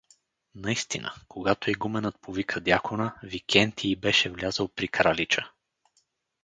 Наистина, когато игуменът повика дякона, Викентий беше влязъл при Кралича.